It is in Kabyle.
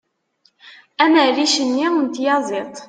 am rric-nni n tyaziḍt